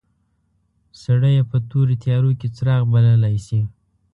سړی یې په تورو تیارو کې څراغ بللای شي.